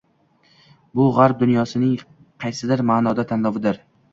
bu g‘arb dunyosining, qaysidir ma’noda, tanlovidir.